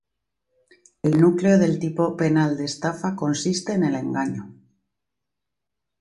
El núcleo del tipo penal de estafa consiste en el engaño.